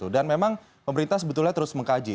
dan memang pemerintah sebetulnya terus mengkaji